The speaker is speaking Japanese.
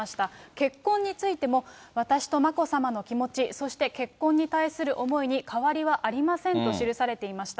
結婚についても、私と眞子さまの気持ち、そして結婚に対する思いに変わりはありませんと記されていました。